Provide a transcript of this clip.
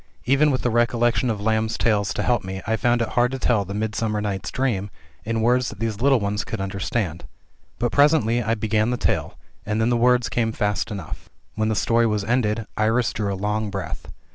Even with the recollection of Lamb's tales to help me I found it hard to tell the "Midsummer Night's Dream" in words that these little ones could understand. But presently I began the tale, and then the words came fast enough. When the story was ended, Iris drew a long breath.